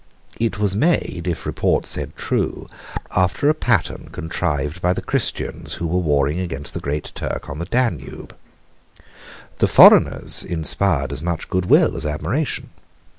It was made, if report said true, after a pattern contrived by the Christians who were warring against the Great Turk on the Danube. The foreigners inspired as much good will as admiration.